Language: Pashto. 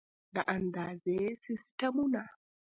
د اندازې سیسټمونه